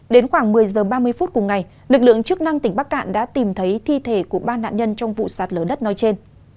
đến khoảng một mươi h ba mươi phút cùng ngày lực lượng chức năng tỉnh bắc cạn đã tìm thấy thi thể của ba nạn nhân trong vụ sạt lở đất nói trên